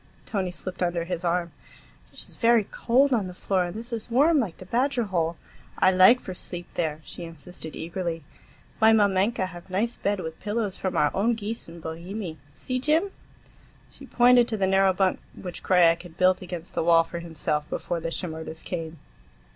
Tony slipped under his arm. "It is very cold on the floor, and this is warm like the badger hole. I like for sleep there," she insisted eagerly. "My mamenka have nice bed, with pillows from our own geese in Bohemie. See, Jim?" She pointed to the narrow bunk which Krajiek had built against the wall for himself before the Shimerdas came.